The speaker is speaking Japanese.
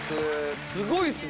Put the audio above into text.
すごいっすね。